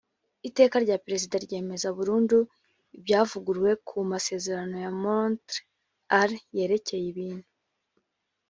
iteka rya perezida ryemeza burundu ibyavuguruwe ku masezerano ya montr al yerekeye ibintu